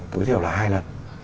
tối thiểu là hai lần